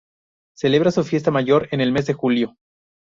Celebra su fiesta mayor en el mes de julio.